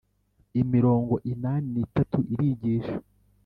Imirongo inani n itatu irigisha